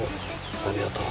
ありがとう。